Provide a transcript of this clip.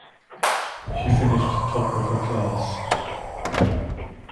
She finished top of her class.